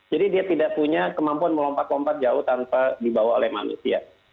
jadi dia tidak punya kemampuan melompat lompat jauh tanpa dibawa oleh manusia